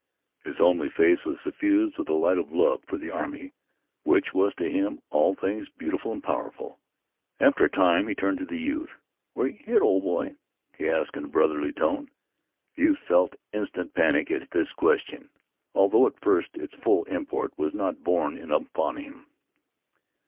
His homely face was suffused with a light of love for the army which was to him all things beautiful and powerful. After a time he turned to the youth. "Where yeh hit, ol' boy?" he asked in a brotherly tone. The youth felt instant panic at this question, although at first its full import was not borne in upon him.